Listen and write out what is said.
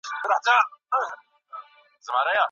د نجونو ښوونه د ګډو ارزښتونو ساتنه کوي.